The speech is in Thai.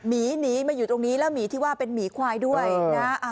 หนีมาอยู่ตรงนี้แล้วหมีที่ว่าเป็นหมีควายด้วยนะ